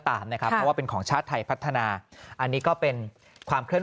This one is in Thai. นะครับเพราะว่าเป็นของชาติไทยพัฒนาอันนี้ก็เป็นความเคลื่อ